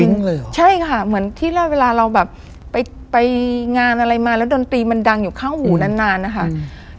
มิ้งเลยเหรอใช่ค่ะเหมือนที่แล้วเวลาเราแบบไปไปงานอะไรมาแล้วดนตรีมันดังอยู่ข้างหูนานนานอ่ะค่ะอืม